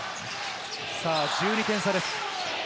１２点差です。